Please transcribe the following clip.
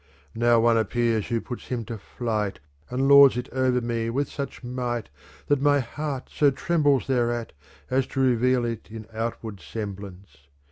Now one appears who puts him to flight And lords it over me with such might that my heart so trembles thereat as to reveal it in outward semblance.